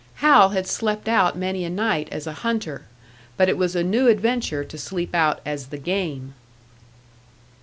Hal had slept out many a night as a hunter, but it was a new adventure to sleep out as the game!